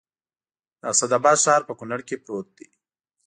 د اسداباد ښار په کونړ کې پروت دی